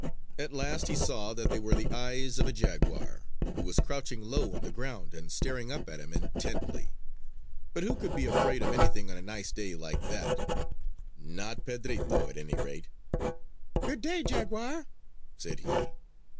At last he saw that they were the eyes of a jaguar, who was crouching low on the ground and staring up at him intently. But who could be afraid of anything on a nice day like that? Not Pedrito, at any rate. "Good day, jaguar!" said he.